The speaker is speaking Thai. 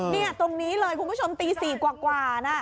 นี่ตรงนี้เลยคุณผู้ชมตี๔กว่านะ